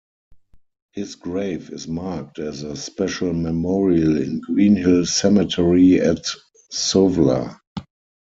His grave is marked as a special memorial in Green Hill Cemetery at Suvla.